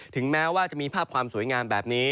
ถึงแม้ว่าจะมีภาพความสวยงามแบบนี้